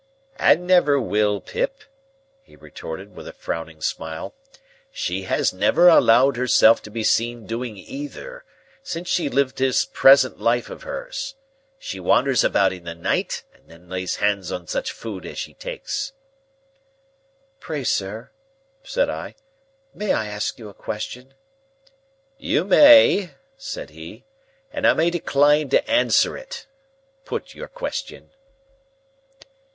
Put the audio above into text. "And never will, Pip," he retorted, with a frowning smile. "She has never allowed herself to be seen doing either, since she lived this present life of hers. She wanders about in the night, and then lays hands on such food as she takes." "Pray, sir," said I, "may I ask you a question?" "You may," said he, "and I may decline to answer it. Put your question."